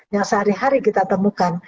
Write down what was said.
yang sehari hari kita temukan